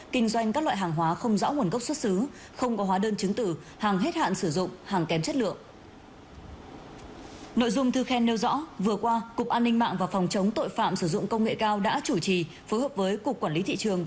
kinh doanh các loại hàng hóa không rõ nguồn gốc xuất xứ không có hóa đơn chứng tử hàng hết hạn sử dụng hàng kém chất lượng